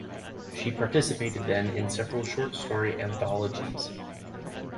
She participated then in several short story anthologies.